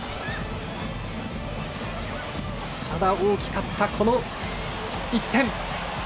ただ、大きかった、この一点。